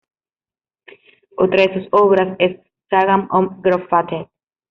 Otra de sus obras es "Sagan om Gröt-fatet".